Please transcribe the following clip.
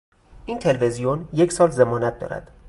این تلویزیون یک سال ضمانت دارد